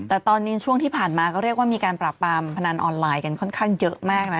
แต่ตอนนี้ช่วงที่ผ่านมาก็เรียกว่ามีการปราบปรามพนันออนไลน์กันค่อนข้างเยอะมากนะ